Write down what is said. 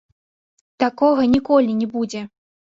Такога ніколі не будзе!